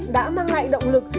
đã mang lại động lực